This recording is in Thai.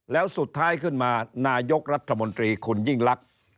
แล้วสุดท้ายขึ้นมานายกรัฐมนตรีคุณยิ่งลักษณ์